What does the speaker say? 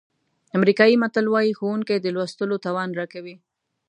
امریکایي متل وایي ښوونکي د لوستلو توان راکوي.